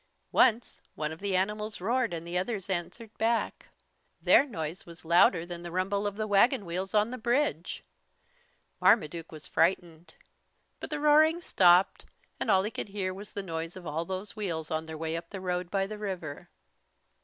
Once, one of the animals roared and the others answered back. Their noise was louder than the rumble of the wagon wheels on the bridge. Marmaduke was frightened. But the roaring stopped, and all he could hear was the noise of all those wheels on their way up the road by the river.